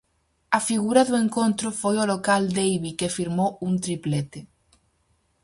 A figura do encontro foi o local Deivi que firmou un triplete.